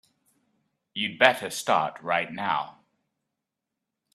You'd better start right now.